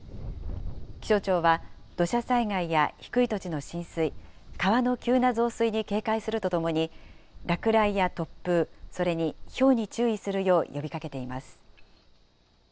気象庁は、土砂災害や低い土地の浸水、川の急な増水に警戒するとともに、落雷や突風、それにひょうに注意するよう呼びかけています。